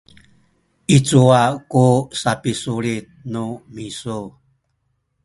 i cuwa ku sapisulit nu misu?